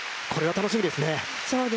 これは楽しみですね。